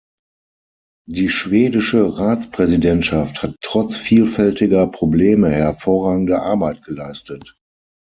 Die schwedische Ratspräsidentschaft hat trotz vielfältiger Probleme hervorragende Arbeit geleistet.